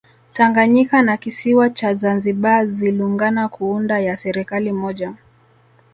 Tanganyika na kisiwa cha Zanzibar zilungana kuunda ya serikali moja